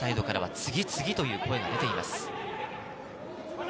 次！という声が出ています。